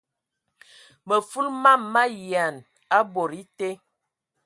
Mə fulu mam ma yian a bod été.